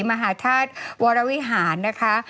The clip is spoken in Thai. มหาธาตุวรวิหารนะคะ